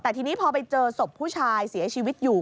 แต่ทีนี้พอไปเจอศพผู้ชายเสียชีวิตอยู่